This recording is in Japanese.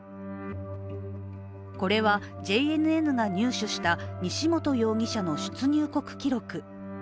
これはＪＮＮが入手した西本容疑者出入国記録。